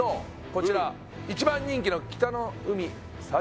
こちら一番人気の北の海幸